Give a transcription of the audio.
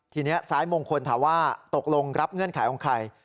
ทีนี้ซ้ายมงคลถามว่าตกลงรับเงื่อนไขของใคร